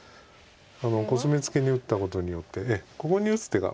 コスミツケに打ったことによってここに打つ手が。